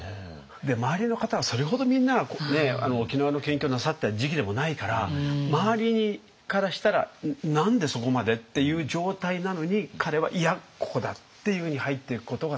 周りの方はそれほどみんなが沖縄の研究をなさった時期でもないから周りからしたら「何でそこまで？」っていう状態なのに彼は「いやここだ！」っていうふうに入っていくことがすごい。